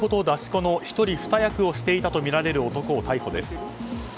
出し子の１人２役をしていたとみられる男を逮捕です。